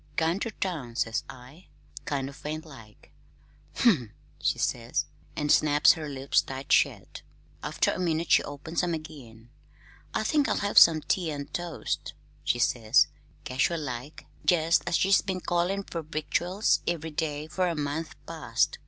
'Gone ter town,' says I, kind o' faint like. 'Umph!' she says, an' snaps her lips tight shet. After a minute she opens 'em again. 'I think I'll have some tea and toast,' she says, casual like, jest as if she'd been callin' fer victuals ev'ry day fer a month past.